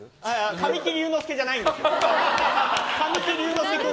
神木隆之介じゃないんです。